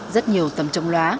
rất nhiều tấm trồng lóa